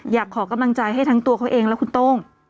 อยากขอกำลังใจให้ทั้งตัวเขาเองและคุณโต้ง